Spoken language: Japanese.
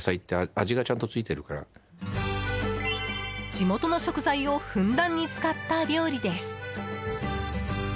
地元の食材をふんだんに使った料理です。